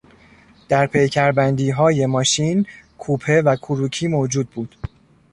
در پیکربندیهای ماشین کوپه و کروکی موجود بود.